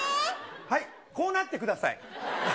はい、こうなってください。